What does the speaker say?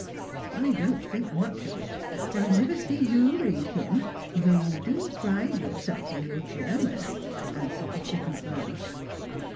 " I don't think much of it ; for I never see you read him, though you do pride yourself on your German," answered the flippant Blanche.